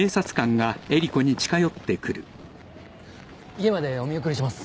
家までお見送りします。